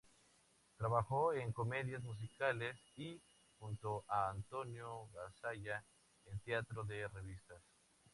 Trabajó en comedias musicales y, junto a Antonio Gasalla, en teatro de revistas.